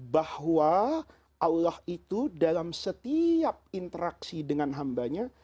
bahwa allah itu dalam setiap interaksi dengan hambanya